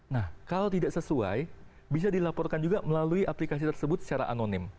nah kalau tidak sesuai bisa dilaporkan juga melalui aplikasi tersebut secara anonim